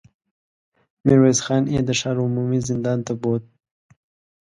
ميرويس خان يې د ښار عمومي زندان ته بوت.